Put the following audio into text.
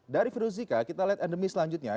dari virus zika kita lihat endemi selanjutnya